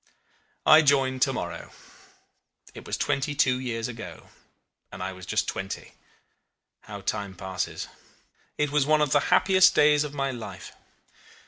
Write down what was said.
"I joined to morrow. It was twenty two years ago; and I was just twenty. How time passes! It was one of the happiest days of my life.